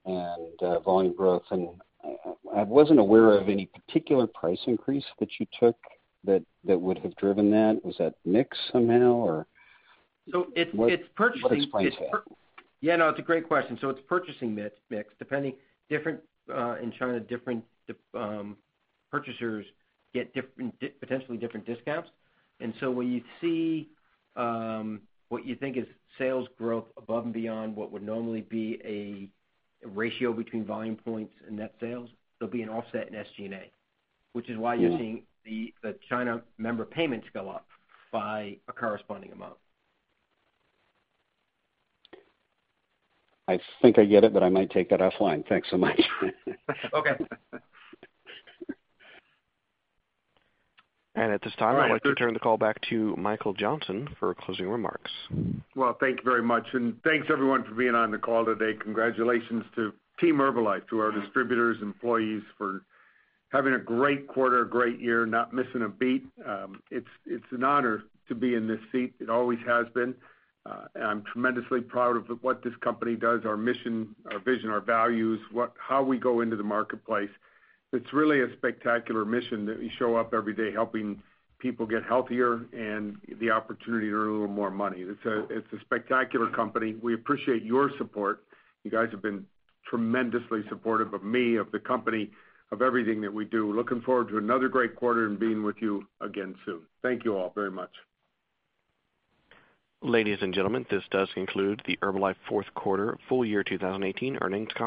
volume growth, and I wasn't aware of any particular price increase that you took that would have driven that. Was that mix somehow, or? It's purchasing- What explains that? Yeah, no, it's a great question. It's purchasing mix. In China, different purchasers get potentially different discounts. When you see what you think is sales growth above and beyond what would normally be a ratio between Volume Points and net sales, there'll be an offset in SG&A, which is why you're seeing the China member payments go up by a corresponding amount. I think I get it, I might take that offline. Thanks so much. Okay. At this time, I'd like to turn the call back to Michael Johnson for closing remarks. Well, thank you very much, thanks everyone for being on the call today. Congratulations to Team Herbalife, to our distributors, employees, for having a great quarter, a great year, not missing a beat. It's an honor to be in this seat. It always has been. I'm tremendously proud of what this company does, our mission, our vision, our values, how we go into the marketplace. It's really a spectacular mission that we show up every day helping people get healthier and the opportunity to earn a little more money. It's a spectacular company. We appreciate your support. You guys have been tremendously supportive of me, of the company, of everything that we do. Looking forward to another great quarter and being with you again soon. Thank you all very much. Ladies and gentlemen, this does conclude the Herbalife fourth quarter full year 2018 earnings call.